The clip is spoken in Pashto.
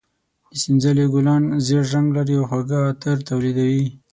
د سنځلې ګلان زېړ رنګ لري او خواږه عطر تولیدوي.